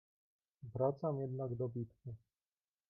"Wracam jednak do bitwy."